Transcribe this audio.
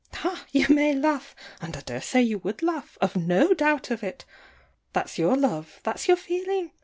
Ha, you may laugh! And I daresay you would laugh! I've no doubt of it! That's your love; that's your feeling!